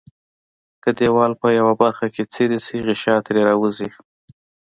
که دیوال په یوه برخه کې څیري شي غشا ترې راوځي.